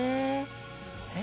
えっ？